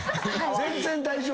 全然大丈夫。